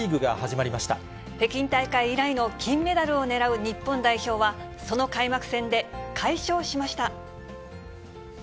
ま北京大会以来の金メダルを狙う日本代表は、その開幕戦で、快勝しました。